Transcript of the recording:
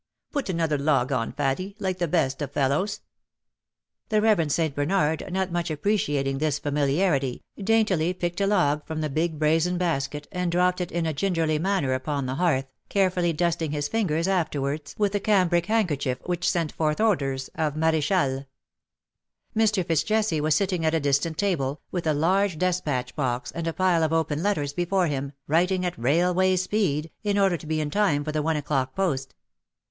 Put another log on, Faddie, like the best of fellows.'' The Reverend St. Bernard, not much appreciating this familiarity, daintily picked a log from the big brazen basket and dropped it in a gingerly manner upon the hearth, carefully dusting his fingers after 162 ^^ TIME TURNS THE OLD DAYS TO DERISION/' wards with a cambric handkerchief which sent forth odours of Marechale. Mr. Fitz Jesse was sitting at a distant table, with a large despatch box and a pile of open letters before him, writing at railway speed, in order to be in time for the one o^clock post.